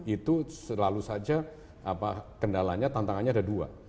itu selalu saja kendalanya tantangannya ada dua